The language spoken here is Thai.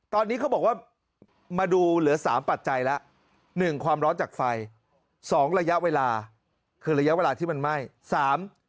ตอนนี้เขาบอกว่ามาดูเหลือสามปัจจัยแล้วหนึ่งความร้อนจากไฟสองระยะเวลาคือระยะเวลาที่มันไหม้สาม